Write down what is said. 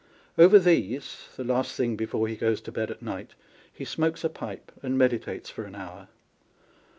Over these (the last thing before he goes to bed at night) he smokes a pipe, and meditates for an hour.